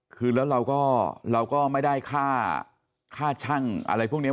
คือแล้วเราก็เราก็ไม่ได้ค่าช่างอะไรพวกนี้